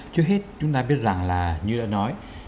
trước hết chúng ta biết rằng là như đã nói